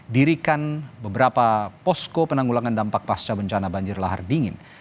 dirikan beberapa posko penanggulangan dampak pasca bencana banjir lahar dingin